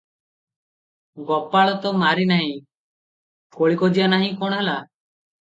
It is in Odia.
ଗୋପାଳ ତ ମାରି ନାହିଁ, କଳି କଜିଆ ନାହିଁ, କଣ ହେଲା?